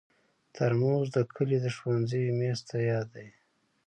ترموز د کلي د ښوونځي میز ته یاد دی.